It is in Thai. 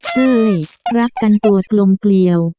เฮ้ยรักกันตัวกลมเกลียว